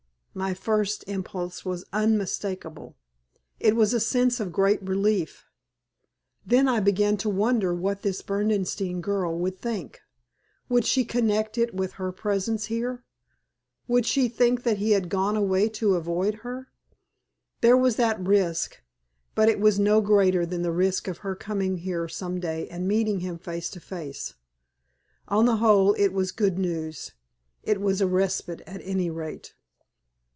My first impulse was unmistakable. It was a sense of great relief. Then I began to wonder what this Berdenstein girl would think. Would she connect it with her presence here? Would she think that he had gone away to avoid her? There was that risk, but it was no greater than the risk of her coming here some day and meeting him face to face. On the whole it was good news. It was a respite at any rate.